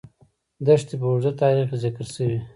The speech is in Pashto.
دښتې په اوږده تاریخ کې ذکر شوې.